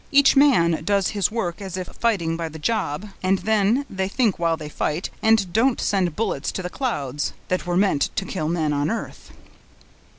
Each man does his work as if fighting by the job; and then, they think while they fight, and don't send bullets to the clouds, that were meant to kill men on earth."